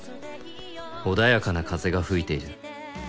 おだやかな風が吹いている。